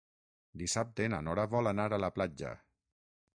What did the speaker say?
Dissabte na Nora vol anar a la platja.